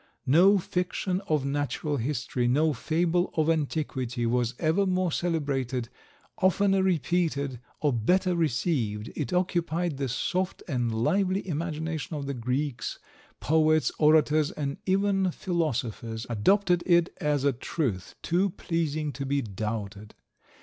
'No fiction of natural history, no fable of antiquity, was ever more celebrated, oftener repeated, or better received; it occupied the soft and lively imagination of the Greeks; poets, orators, and even philosophers, adopted it as a truth too pleasing to be doubted.